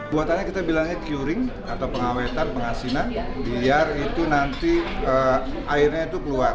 buatannya kita bilangnya curing atau pengawetan pengasinan biar itu nanti airnya itu keluar